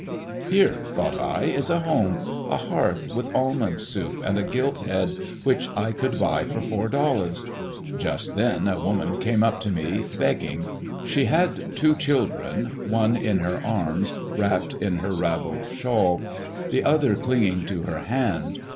"Here," thought I, "is a home, a hearth, with almond soup and a gilt head, which I could buy for four dollars!" Just then a woman came up to me, begging. She had two children, one in her arms wrapped in her ravelled shawl, the other clinging to her hand.